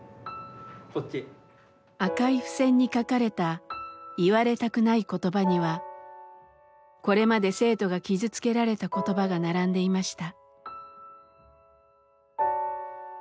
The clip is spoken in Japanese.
赤い付箋に書かれた「言われたくない言葉」にはこれまで生徒が傷つけられた言葉が並んでいました。